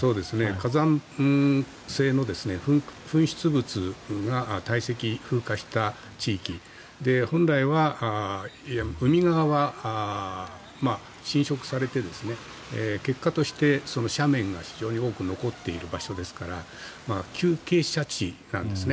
火山性の噴出物がたい積、風化した地域で本来は、海側は浸食されて結果として斜面が非常に多く残っている場所ですから急傾斜地なんですね。